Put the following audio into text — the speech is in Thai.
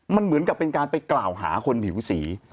มันเหมือนกับเป็นการไปกล่าวหาคนผิวสี